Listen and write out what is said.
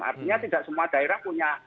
artinya tidak semua daerah punya